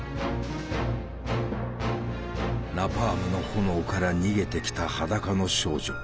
ナパームの炎から逃げてきた裸の少女。